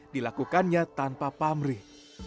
dilakukannya tanpa pamrih